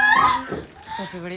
久しぶり。